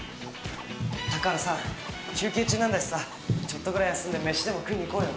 高原さん休憩中なんだしさちょっとぐらい休んで飯でも食いに行こうよ。